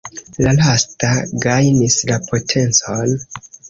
La lasta gajnis la potencon.